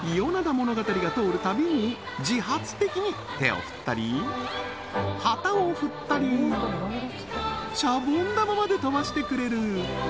ものがたりが通るたびに自発的に手を振ったり旗を振ったりシャボン玉まで飛ばしてくれる！